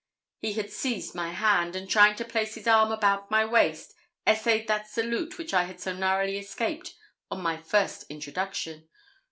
He had seized my hand, and trying to place his arm about my waist, essayed that salute which I had so narrowly escaped on my first introduction.